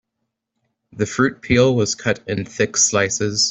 The fruit peel was cut in thick slices.